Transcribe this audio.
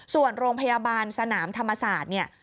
ส่วนโรงพยาบาลสนามธรรมศาสตร์เนี่ย